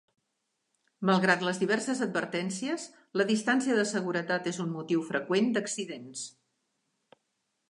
Malgrat les diverses advertències, la distància de seguretat és un motiu freqüent d"accidents.